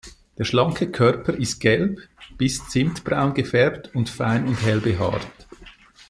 Der schlanke Körper ist gelb bis zimtbraun gefärbt und fein und hell behaart.